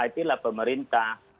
dan ta'atih lah pemerintah